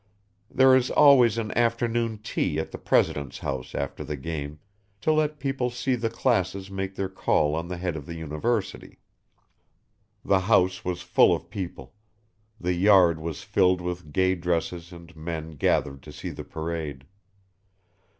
There is always an afternoon tea at the president's house after the game, to let people see the classes make their call on the head of the University. The house was full of people; the yard was filled with gay dresses and men gathered to see the parade.